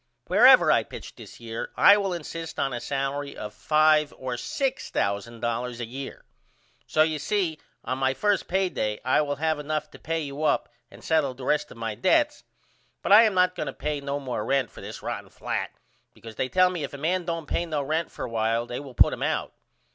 Wherever I pitch this year I will insist on a salery of 5 or $6000 a year. So you see on my first pay day I will have enough to pay you up and settle the rest of my dedts but I am not going to pay no more rent for this rotten flat because they tell me if a man don't pay no rent for a while they will put him out.